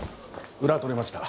裏取れました。